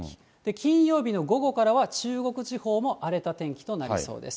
金曜日の午後からは中国地方も荒れた天気となりそうです。